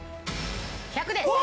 １００です。